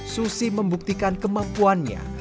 susi membuktikan kemampuannya